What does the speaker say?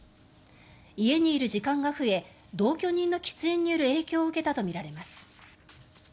家にいる時間が増え同居人の喫煙による影響を受けたとみられます。